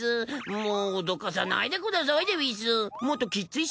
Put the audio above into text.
もう脅かさないでくださいでうぃす。